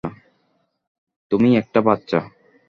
তুমি একটা বাচ্চা।